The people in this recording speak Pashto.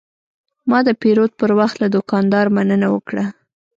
ما د پیرود پر وخت له دوکاندار مننه وکړه.